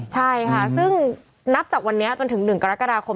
ใช่ค่ะซึ่งนับจากวันนี้จนถึง๑กรกฎาคม